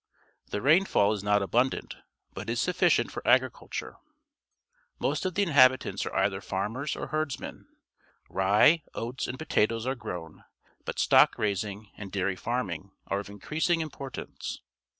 The rainfall is not abun dant, but is sufficient for agriculture. RUSSIA 191 Most of the inhabitants are either farmers or herdsmen. Rye, oats, and potatoes are grown, but stock raising and dairy farm ing are of increasing importance.